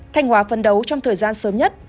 thanh hóa phân đấu trong thời gian sớm nhất